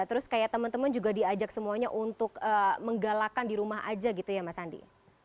terus kayak teman teman juga diajak semuanya untuk menggalakan di rumah aja gitu ya mas andi